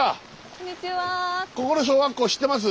こんにちは。